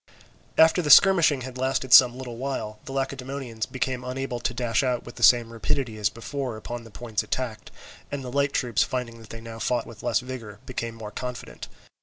After this skirmishing had lasted some little while, the Lacedaemonians became unable to dash out with the same rapidity as before upon the points attacked, and the light troops finding that they now fought with less vigour, became more confident.